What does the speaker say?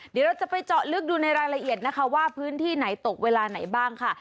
เดี๋ยวเราจะไปเจาะลึกดูในรายละเอียดนะคะว่าพื้นที่ไหนตกเวลาไหนบ้างค่ะ